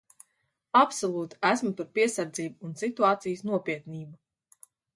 Absolūti esmu par piesardzību un situācijas nopietnību.